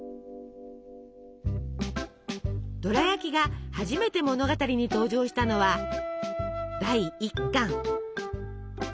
ドラやきが初めて物語に登場したのは第１巻。